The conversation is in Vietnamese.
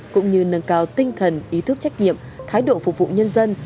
cũng như nâng cao tinh thần ý thức trách nhiệm thái độ phục vụ nhân dân